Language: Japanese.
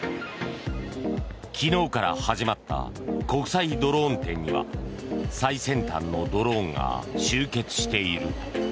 昨日から始まった「国際ドローン展」には最先端のドローンが集結している。